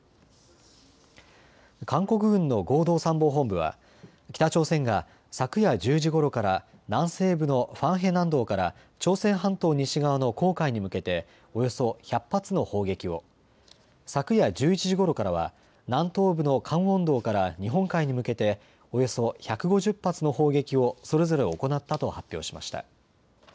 韓国軍の合同参謀本部は北朝鮮が昨夜１０時ごろから南西部のファンヘ南道から朝鮮半島西側の黄海に向けておよそ１００発の砲撃を、昨夜１１時ごろからは南東部のカンウォン道から日本海に向けておよそ１５０発の砲撃をそれぞれ行ったと発表しました。